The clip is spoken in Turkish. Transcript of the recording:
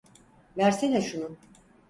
Versene şunu.